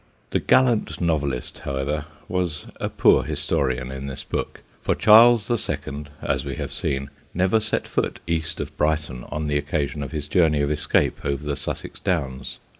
The gallant novelist, however, was a poor historian in this book, for Charles the Second, as we have seen, never set foot east of Brighton on the occasion of his journey of escape over the Sussex Downs.